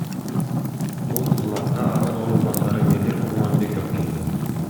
Бул кызматка анын орун басары Медер Курманбеков келген.